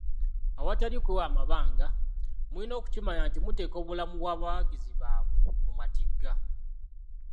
Awatali kwewa mabanga, mulina okukimanya nti muteeka obulamu bw'abawagizi babwe mu matigga.